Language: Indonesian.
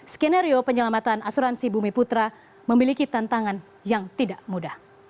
skenario penyelamatan asuransi bumi putra memiliki tantangan yang tidak mudah